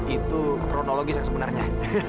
itu kronologis sebenarnya